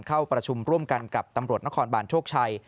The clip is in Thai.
เข้าประชุมร่วมกันกับตำรวจนครบานโชคชัย